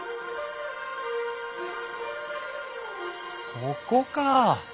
ここか。